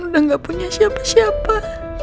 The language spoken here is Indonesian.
udah gak punya siapa siapa